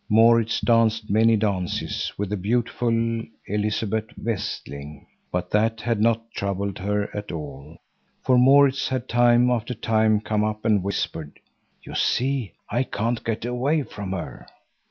Maurits danced many dances with the beautiful Elizabeth Westling. But that had not troubled her at all, for Maurits had time after time come up and whispered: "You see, I can't get away from her.